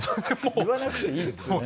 言わなくていいっつうね。